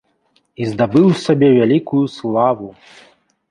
І здабыў сабе вялікую славу!